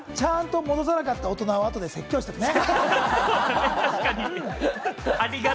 じゃあ、ちゃんと落とさなかった大人、あとで説教しておくね。